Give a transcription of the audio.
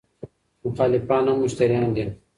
مخالفان هم مشتریان دي.